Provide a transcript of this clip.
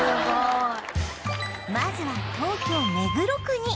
まずは東京目黒区に